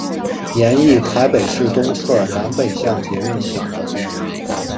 研议台北市东侧南北向捷运系统。